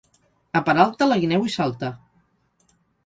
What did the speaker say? A Peralta, la guineu hi salta.